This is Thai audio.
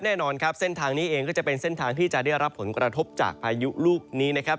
แน่นอนครับเส้นทางนี้เองก็จะเป็นเส้นทางที่จะได้รับผลกระทบจากพายุลูกนี้นะครับ